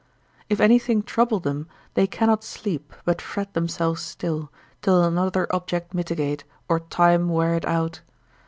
If anything trouble them, they cannot sleep, but fret themselves still, till another object mitigate, or time wear it out.